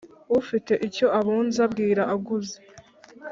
Ufite icyo abunza bwira aguze.